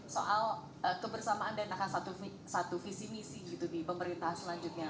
soal kebersamaan dan akan satu visi misi gitu di pemerintah selanjutnya